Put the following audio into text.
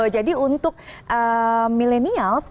jadi untuk milenial